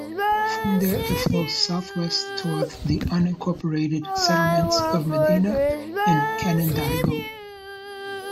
From there it flows southwest toward the unincorporated settlements of Medina and Canandaigua.